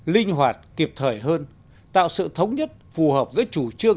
linh hoạt kịp thời hơn tạo sự thống nhất phù hợp với chủ trương